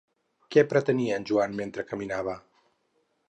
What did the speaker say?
Què pretenia en Joan mentre caminava?